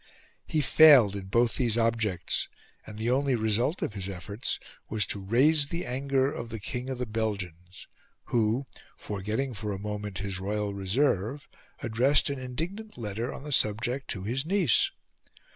He failed in both these objects; and the only result of his efforts was to raise the anger of the King of the Belgians, who, forgetting for a moment his royal reserve, addressed an indignant letter on the subject to his niece.